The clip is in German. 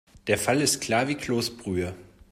Der Fall ist klar wie Kloßbrühe.